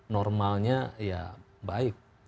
normalnya ya baik